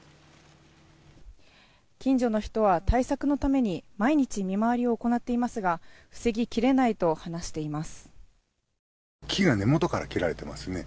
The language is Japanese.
近所の人は対策のために毎日、見回りを行っていますが防ぎきれないと話しています。